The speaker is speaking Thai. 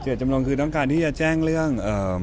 จำนวนคือต้องการที่จะแจ้งเรื่อง